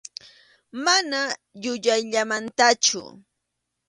Mana yuyayllamantachu.